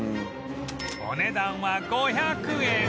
お値段は５００円